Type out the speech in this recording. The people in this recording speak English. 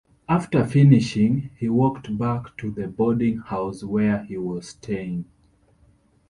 After finishing, he walked back to the boarding house where he was staying.